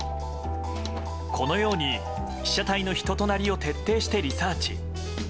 このように被写体の人となりを徹底してリサーチ。